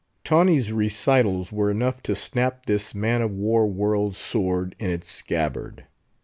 Tawney's recitals were enough to snap this man of war world's sword in its scabbard.